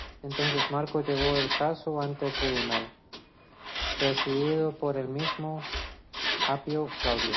Entonces Marco llevó el caso ante un tribunal, presidido por el mismo Apio Claudio.